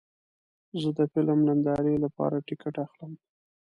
زه د فلم نندارې لپاره ټکټ اخلم.